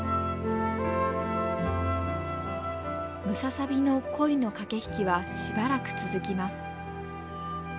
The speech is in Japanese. ムササビの恋の駆け引きはしばらく続きます。